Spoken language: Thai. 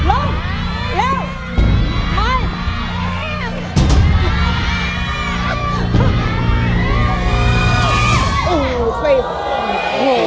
อืมผิด